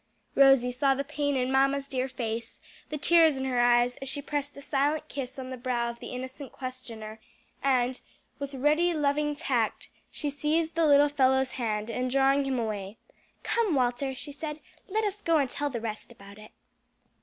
Rosie saw the pain in mamma's dear face, the tears in her eyes as she pressed a silent kiss on the brow of the innocent questioner, and with ready, loving tact she seized the little fellow's hand, and, drawing him away, "Come, Walter," she said, "let us go and tell the rest about it."